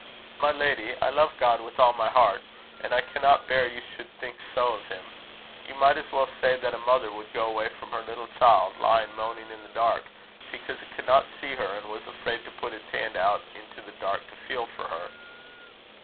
"My lady, I love God with all my heart, and I cannot bear you should think so of him. You might as well say that a mother would go away from her little child, lying moaning in the dark, because it could not see her, and was afraid to put its hand out into the dark to feel for her."